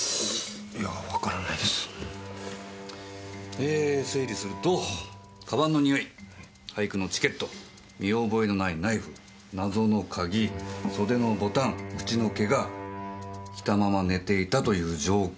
えー整理すると鞄の匂い俳句のチケット見覚えのないナイフ謎の鍵袖のボタン口のケガ着たまま寝ていたという状況。